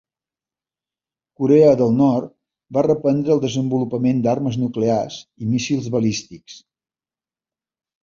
Corea del Nord va reprendre el desenvolupament d'armes nuclears i míssils balístics.